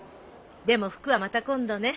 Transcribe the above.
でも服はまた今度ね。